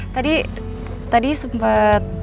tadi tadi sempat